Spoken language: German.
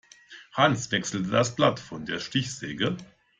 Hans wechselte das Blatt von der Stichsäge.